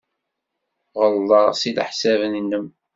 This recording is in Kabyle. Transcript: Ɣelḍeɣ deg leḥsab-nnem.